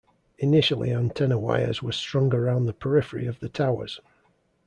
Initially antenna wires were strung around the periphery of the towers.